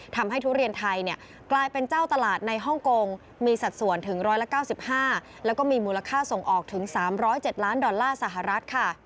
ทุเรียนไทยกลายเป็นเจ้าตลาดในฮ่องกงมีสัดส่วนถึง๑๙๕แล้วก็มีมูลค่าส่งออกถึง๓๐๗ล้านดอลลาร์สหรัฐค่ะ